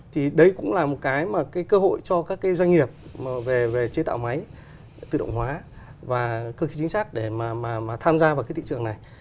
thì đấy cũng là một cái mà cái cơ hội cho các cái doanh nghiệp về chế tạo máy tự động hóa và cơ khí chính xác để mà tham gia vào cái thị trường này